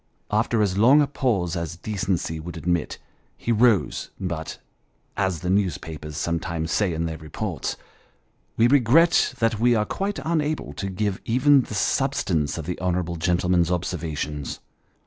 After as long a pause as decency would admit, he rose, but, as the newspapers sometimes say in their reports, " we regret that we are quite unable to give even the substance of the honourable gentleman's observations."